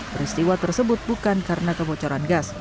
peristiwa tersebut bukan karena kebocoran gas